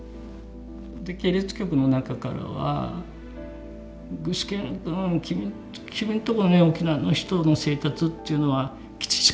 系列局の中からは「具志堅くん君んとこのね沖縄の人の生活っていうのは基地しかないの？」